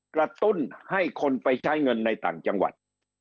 กระตุ้นให้คนไปใช้เงินในต่างจังหวัด